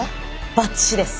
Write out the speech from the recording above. ばっちしです！